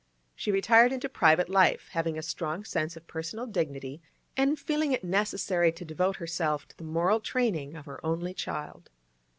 She retired into private life, having a strong sense of personal dignity, and feeling it necessary to devote herself to the moral training of her only child.